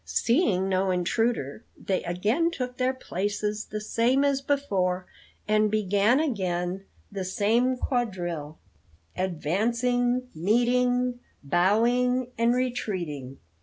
Seeing no intruder, they again took their places the same as before and began again the same quadrille advancing, meeting, bowing, and retreating.